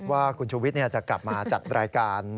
ว่าคุณชูวิทย์จะกลับมาจัดรายการ